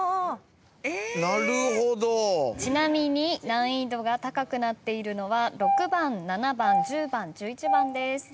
ちなみに難易度が高くなっているのは６番７番１０番１１番です。